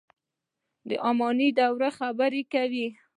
د اماني دورې خبره کوو.